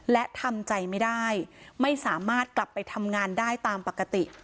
และทำใจไม่ได้ไม่สามารถกลับไปทำงานได้ตามปกติ